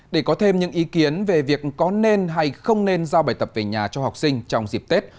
để có thêm những ý kiến về việc có nên hay không nên giao bài tập về nhà cho học sinh trong dịp tết